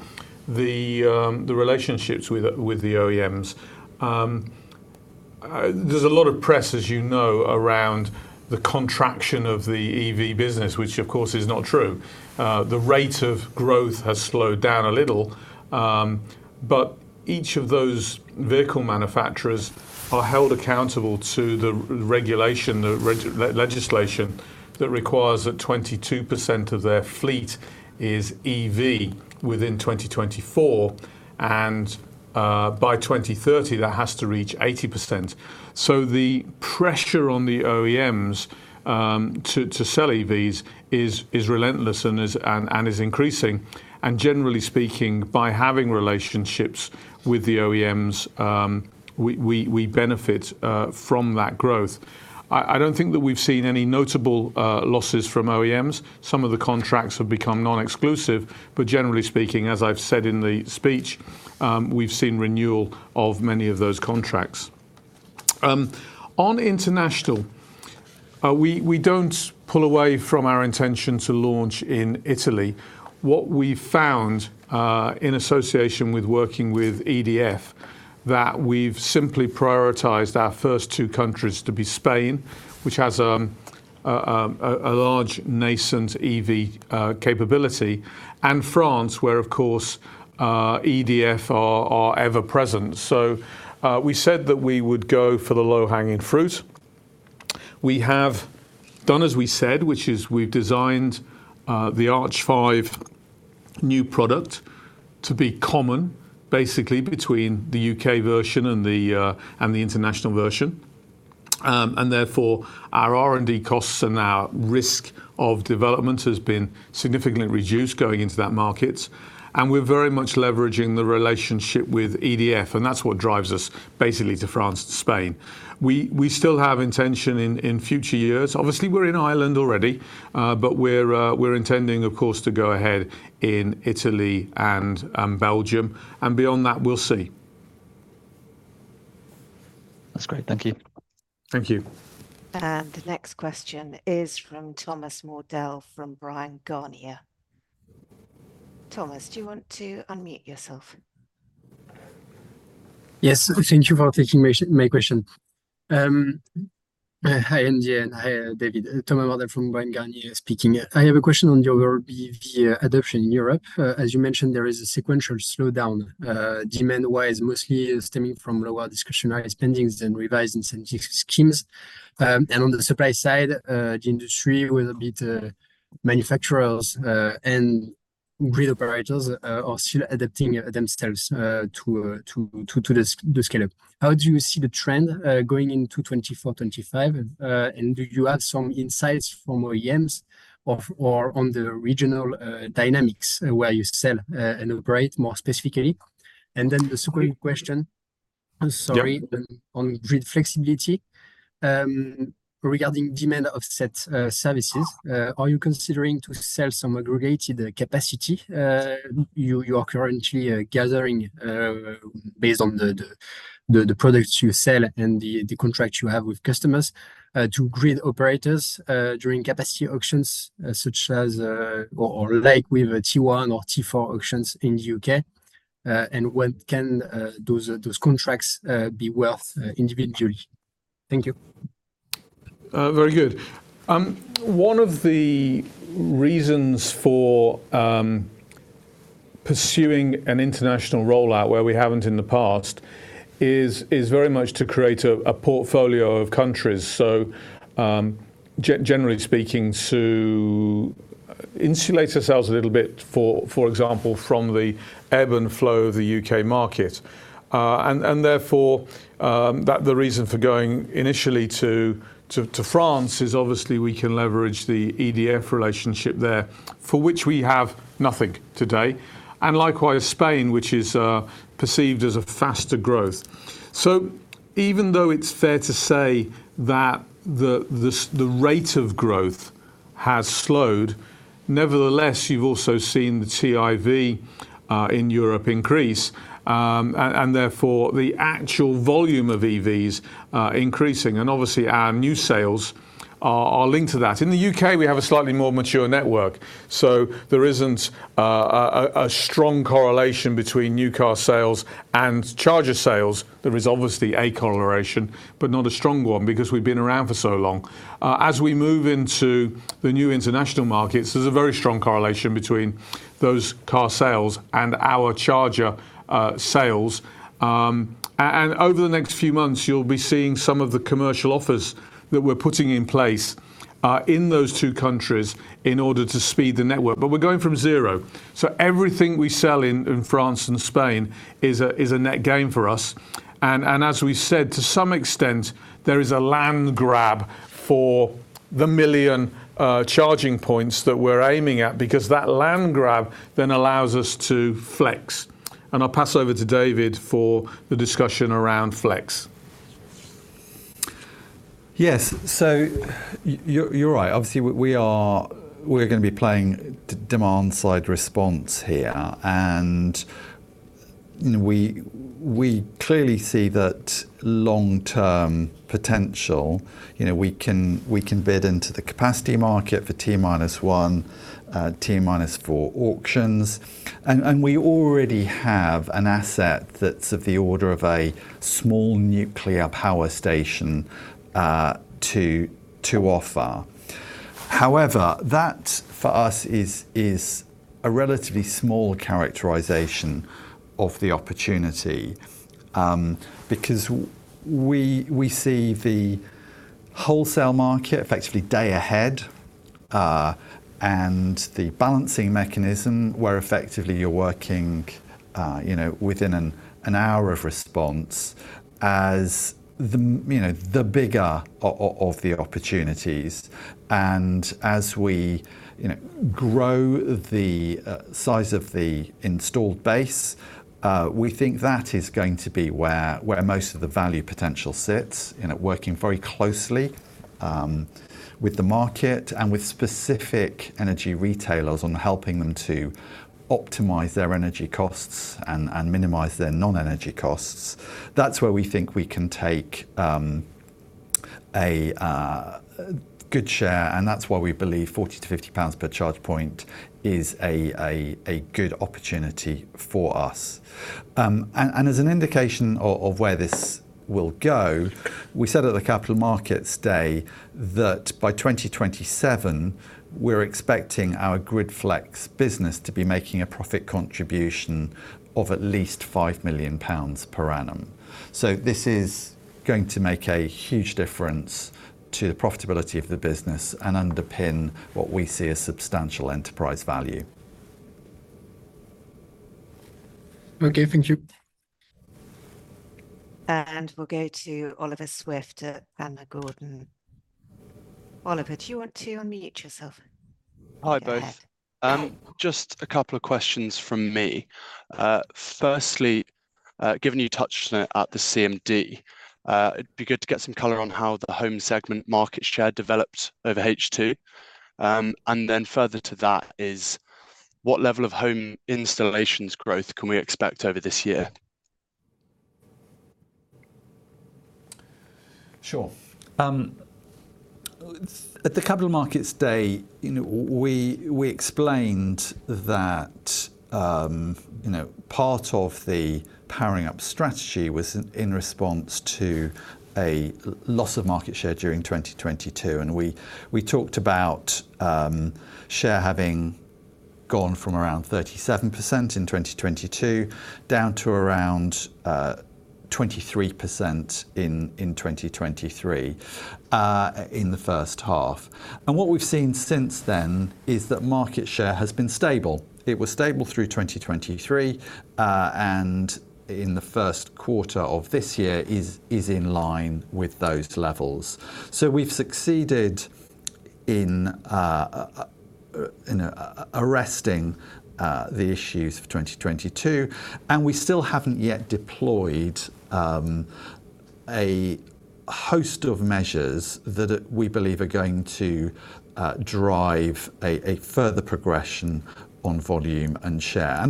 the relationships with the OEMs. There's a lot of press, as you know, around the contraction of the EV business, which, of course, is not true. The rate of growth has slowed down a little. But each of those vehicle manufacturers are held accountable to the regulation, the legislation that requires that 22% of their fleet is EV within 2024. And by 2030, that has to reach 80%. So the pressure on the OEMs to sell EVs is relentless and is increasing. And generally speaking, by having relationships with the OEMs, we benefit from that growth. I don't think that we've seen any notable losses from OEMs. Some of the contracts have become non-exclusive. But generally speaking, as I've said in the speech, we've seen renewal of many of those contracts. On international, we don't pull away from our intention to launch in Italy. What we've found in association with working with EDF, that we've simply prioritized our first two countries to be Spain, which has a large nascent EV capability, and France, where, of course, EDF are ever-present. So we said that we would go for the low-hanging fruit. We have done as we said, which is we've designed the Arch 5 new product to be common, basically, between the U.K. version and the international version. And therefore, our R&D costs and our risk of development has been significantly reduced going into that market. And we're very much leveraging the relationship with EDF. And that's what drives us, basically, to France and Spain. We still have intention in future years. Obviously, we're in Ireland already. But we're intending, of course, to go ahead in Italy and Belgium. And beyond that, we'll see. That's great. Thank you. Thank you. And the next question is from Thomas Mordelle from Bryan Garnier. Thomas, do you want to unmute yourself? Yes. Thank you for taking my question. Hi, Andy, and hi, David. Thomas Mordelle from Bryan Garnier speaking. I have a question on the overall EV adoption in Europe. As you mentioned, there is a sequential slowdown, demand-wise, mostly stemming from lower discretionary spendings and revised incentive schemes. And on the supply side, the industry, with a bit of manufacturers and grid operators, are still adapting themselves to the scale-up. How do you see the trend going into 2024/2025? And do you have some insights from OEMs or on the regional dynamics where you sell and operate more specifically? Then the second question, sorry, on grid flexibility, regarding demand offset services, are you considering to sell some aggregated capacity you are currently gathering based on the products you sell and the contracts you have with customers to grid operators during capacity auctions, such as or like with T-1 or T-4 auctions in the U.K.? And can those contracts be worth individually? Thank you. Very good. One of the reasons for pursuing an international rollout where we haven't in the past is very much to create a portfolio of countries. So generally speaking, to insulate ourselves a little bit, for example, from the ebb and flow of the U.K. market. And therefore, the reason for going initially to France is, obviously, we can leverage the EDF relationship there, for which we have nothing today. And likewise, Spain, which is perceived as a faster growth. So even though it's fair to say that the rate of growth has slowed, nevertheless, you've also seen the TIV in Europe increase. And therefore, the actual volume of EVs increasing. And obviously, our new sales are linked to that. In the U.K., we have a slightly more mature network. So there isn't a strong correlation between new car sales and charger sales. There is obviously a correlation, but not a strong one because we've been around for so long. As we move into the new international markets, there's a very strong correlation between those car sales and our charger sales. And over the next few months, you'll be seeing some of the commercial offers that we're putting in place in those two countries in order to speed the network. But we're going from zero. So everything we sell in France and Spain is a net gain for us. And as we said, to some extent, there is a land grab for the 1 million charging points that we're aiming at because that land grab then allows us to flex. And I'll pass over to David for the discussion around flex. Yes. So you're right. Obviously, we are going to be playing demand-side response here. And we clearly see that long-term potential, we can bid into the capacity market for T-1, T-4 auctions. And we already have an asset that's of the order of a small nuclear power station to offer. However, that, for us, is a relatively small characterization of the opportunity because we see the wholesale market effectively day ahead and the balancing mechanism where, effectively, you're working within an hour of response as the bigger of the opportunities. As we grow the size of the installed base, we think that is going to be where most of the value potential sits, working very closely with the market and with specific energy retailers on helping them to optimize their energy costs and minimize their non-energy costs. That's where we think we can take a good share. That's why we believe 40-50 pounds per charge point is a good opportunity for us. As an indication of where this will go, we said at the Capital Markets Day that by 2027, we're expecting our grid flex business to be making a profit contribution of at least 5 million pounds per annum. So this is going to make a huge difference to the profitability of the business and underpin what we see as substantial enterprise value. Okay. Thank you. We'll go to Oliver Swift at Panmure Gordon. Oliver, do you want to unmute yourself? Hi, both. Just a couple of questions from me. Firstly, given you touched on it at the CMD, it'd be good to get some color on how the Home segment market share developed over H2. And then further to that is, what level of home installations growth can we expect over this year? Sure. At the Capital Markets Day, we explained that part of the Powering Up strategy was in response to a loss of market share during 2022. And we talked about share having gone from around 37% in 2022 down to around 23% in 2023 in the first half. And what we've seen since then is that market share has been stable. It was stable through 2023. And in the first quarter of this year, is in line with those levels. So we've succeeded in arresting the issues of 2022. We still haven't yet deployed a host of measures that we believe are going to drive a further progression on volume and share.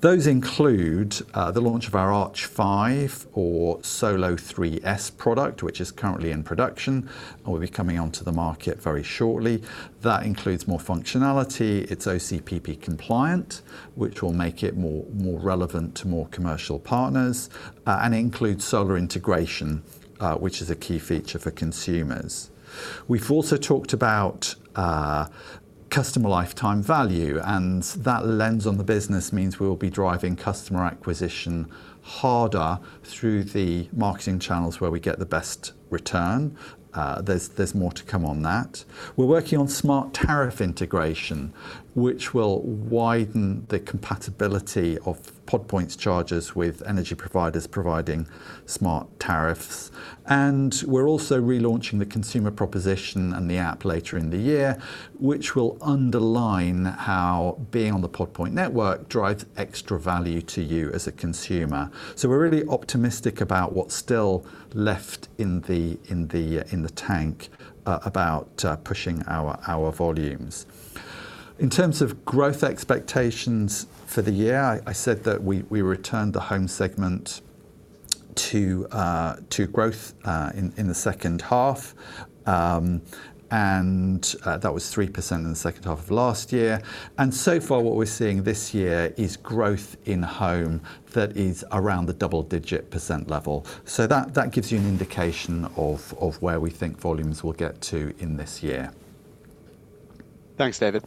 Those include the launch of our Arch 5 or Solo 3S product, which is currently in production and will be coming onto the market very shortly. That includes more functionality. It's OCPP compliant, which will make it more relevant to more commercial partners. It includes solar integration, which is a key feature for consumers. We've also talked about customer lifetime value. That lens on the business means we'll be driving customer acquisition harder through the marketing channels where we get the best return. There's more to come on that. We're working on smart tariff integration, which will widen the compatibility of Pod Point's chargers with energy providers providing smart tariffs. And we're also relaunching the consumer proposition and the app later in the year, which will underline how being on the Pod Point network drives extra value to you as a consumer. So we're really optimistic about what's still left in the tank about pushing our volumes. In terms of growth expectations for the year, I said that we returned the Home segment to growth in the second half. And that was 3% in the second half of last year. And so far, what we're seeing this year is growth in home that is around the double-digit percent level. So that gives you an indication of where we think volumes will get to in this year. Thanks, David.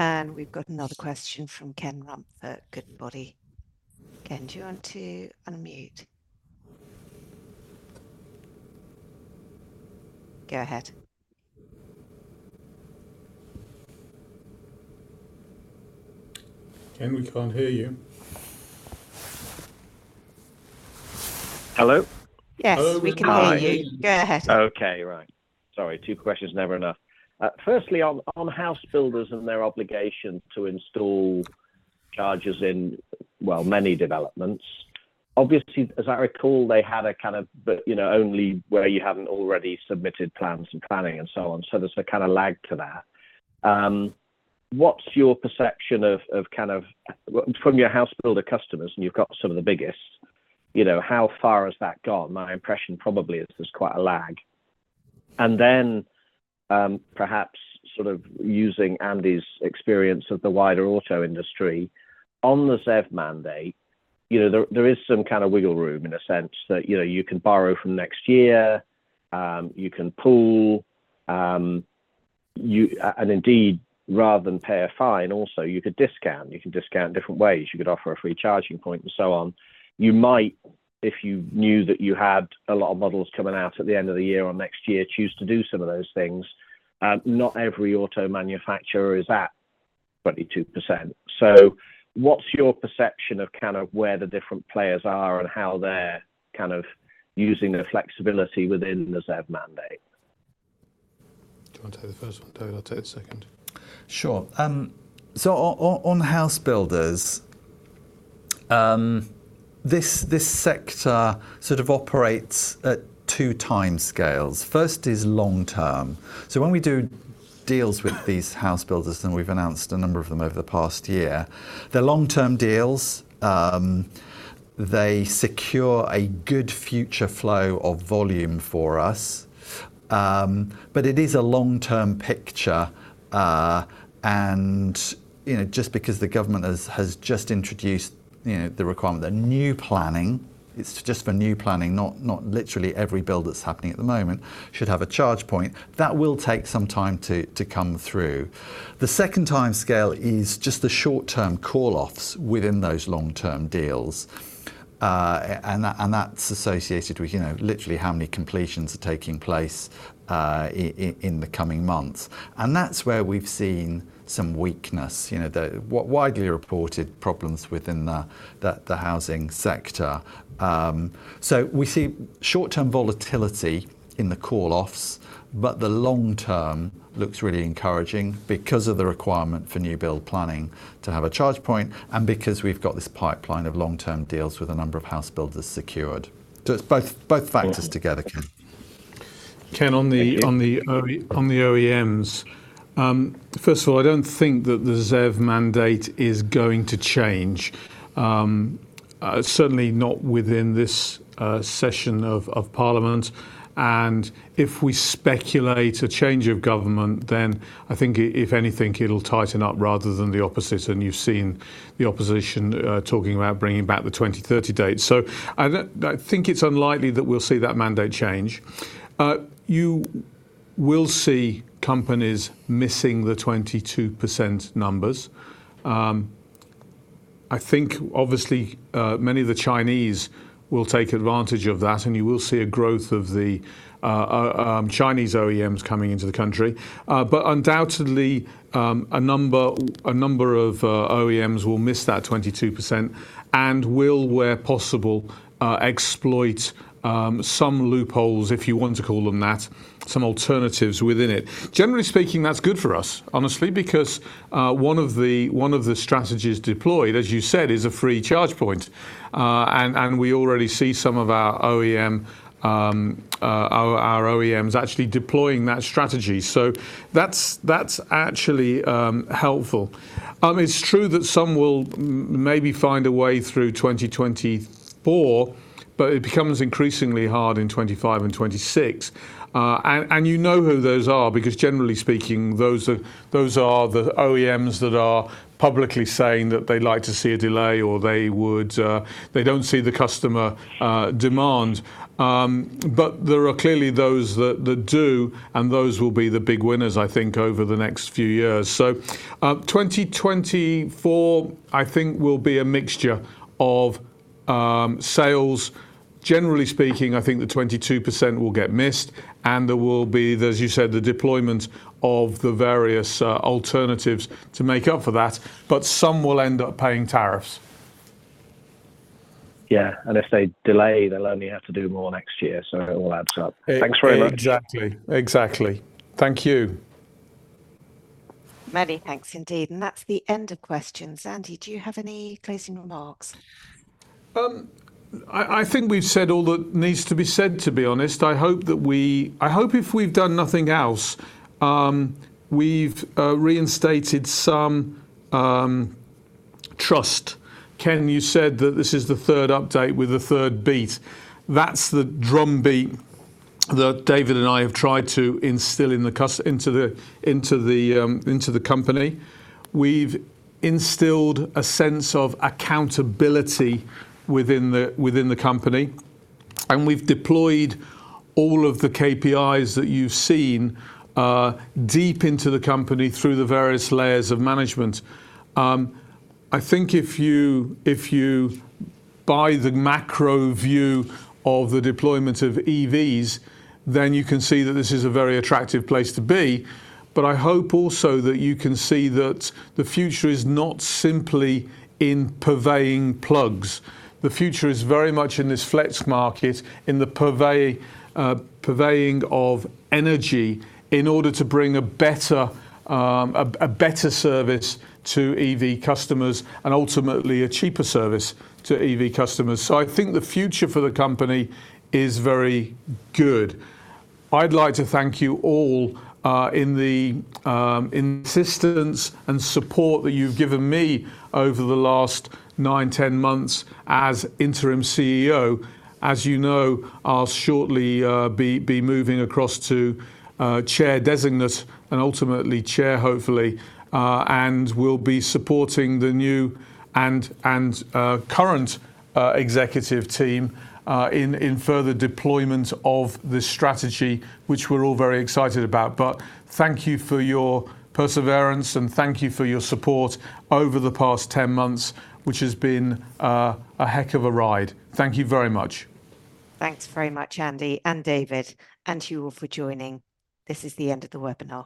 And we've got another question from Ken Rumph. Good morning. Ken, do you want to unmute? Go ahead. Ken, we can't hear you. Hello? Yes. We can hear you. Go ahead. Okay. Right. Sorry. Two questions, never enough. Firstly, on house builders and their obligations to install chargers in, well, many developments, obviously, as I recall, they had a kind of only where you hadn't already submitted plans and planning and so on. So there's a kind of lag to that. What's your perception of kind of from your house builder customers, and you've got some of the biggest, how far has that gone? My impression probably is there's quite a lag. And then perhaps sort of using Andy's experience of the wider auto industry, on the ZEV mandate, there is some kind of wiggle room in a sense that you can borrow from next year. You can pull. And indeed, rather than pay a fine, also, you could discount. You can discount different ways. You could offer a free charging point and so on. You might, if you knew that you had a lot of models coming out at the end of the year or next year, choose to do some of those things. Not every auto manufacturer is at 22%. So what's your perception of kind of where the different players are and how they're kind of using the flexibility within the ZEV mandate? Do you want to take the first one, David? I'll take the second. Sure. So on house builders, this sector sort of operates at two timescales. First is long-term. So when we do deals with these house builders, and we've announced a number of them over the past year, they're long-term deals. They secure a good future flow of volume for us. But it is a long-term picture. And just because the government has just introduced the requirement that new planning, it's just for new planning. Not literally every build that's happening at the moment should have a charge point. That will take some time to come through. The second timescale is just the short-term call-offs within those long-term deals. That's associated with literally how many completions are taking place in the coming months. That's where we've seen some weakness, widely reported problems within the housing sector. We see short-term volatility in the call-offs. The long-term looks really encouraging because of the requirement for new build planning to have a charge point and because we've got this pipeline of long-term deals with a number of house builders secured. It's both factors together, Ken. Ken, on the OEMs, first of all, I don't think that the ZEV mandate is going to change. Certainly not within this session of Parliament. And if we speculate a change of government, then I think, if anything, it'll tighten up rather than the opposite. And you've seen the opposition talking about bringing back the 2030 date. So I think it's unlikely that we'll see that mandate change. You will see companies missing the 22% numbers. I think, obviously, many of the Chinese will take advantage of that. And you will see a growth of the Chinese OEMs coming into the country. But undoubtedly, a number of OEMs will miss that 22% and will, where possible, exploit some loopholes, if you want to call them that, some alternatives within it. Generally speaking, that's good for us, honestly, because one of the strategies deployed, as you said, is a free charge point. And we already see some of our OEMs actually deploying that strategy. So that's actually helpful. It's true that some will maybe find a way through 2024, but it becomes increasingly hard in 2025 and 2026. And you know who those are because, generally speaking, those are the OEMs that are publicly saying that they'd like to see a delay or they don't see the customer demand. But there are clearly those that do. And those will be the big winners, I think, over the next few years. So 2024, I think, will be a mixture of sales. Generally speaking, I think the 22% will get missed. And there will be, as you said, the deployment of the various alternatives to make up for that. But some will end up paying tariffs. Yeah. And if they delay, they'll only have to do more next year. So it all adds up. Thanks very much. Exactly. Exactly. Thank you. Andy thanks indeed. And that's the end of questions. Andy, do you have any closing remarks? I think we've said all that needs to be said, to be honest. I hope if we've done nothing else, we've reinstated some trust. Ken, you said that this is the third update with the third beat. That's the drumbeat that David and I have tried to instill into the company. We've instilled a sense of accountability within the company. And we've deployed all of the KPIs that you've seen deep into the company through the various layers of management. I think if you buy the macro view of the deployment of EVs, then you can see that this is a very attractive place to be. But I hope also that you can see that the future is not simply in purveying plugs. The future is very much in this flex market, in the purveying of energy in order to bring a better service to EV customers and ultimately a cheaper service to EV customers. So I think the future for the company is very good. I'd like to thank you all in the insistence and support that you've given me over the last 9, 10 months as Interim CEO. As you know, I'll shortly be moving across to Chair designate and ultimately chair, hopefully, and will be supporting the new and current executive team in further deployment of this strategy, which we're all very excited about. But thank you for your perseverance. And thank you for your support over the past 10 months, which has been a heck of a ride. Thank you very much. Thanks very much, Andy and David, and to you all for joining. This is the end of the webinar.